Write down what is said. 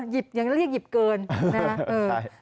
อย่างนั้นเรียกหยิบเกินนะครับ